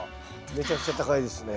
めちゃくちゃ高いですね。